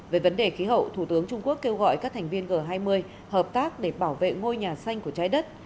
về vấn đề khí hậu thủ tướng trung quốc kêu gọi các thành viên g hai mươi hợp tác để bảo vệ ngôi nhà xanh của trái đất